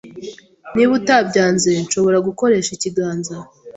Niba utabyanze, nshobora gukoresha ikiganza.